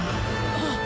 あっ！